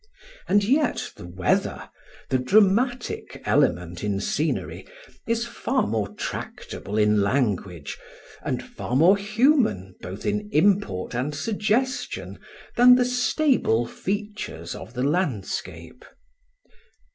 And yet the weather, the dramatic element in scenery, is far more tractable in language, and far more human both in import and suggestion than the stable features of the landscape.